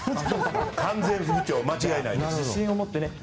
完全復調間違いないです。